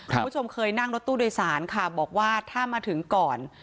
คุณผู้ชมเคยนั่งรถตู้โดยสารค่ะบอกว่าถ้ามาถึงก่อน